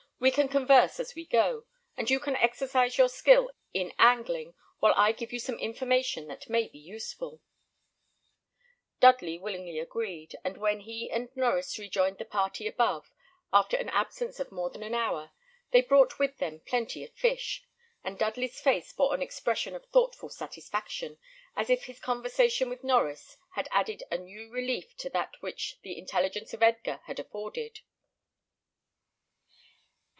"We can converse as we go; and you can exercise your skill in angling, while I give you some information that may be useful." Dudley willingly agreed; and when he and Norries rejoined the party above, after an absence of more than an hour, they brought with them plenty of fish, and Dudley's face bore an expression of thoughtful satisfaction, as if his conversation with Norries had added a new relief to that which the intelligence of Edgar had afforded.